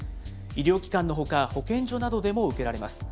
医療機関のほか、保健所などでも受けられます。